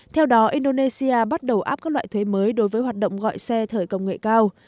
theo đó indonesia bắt đầu áp các loại thuế mới đối với hoạt động gọi xe thời công nghệ cao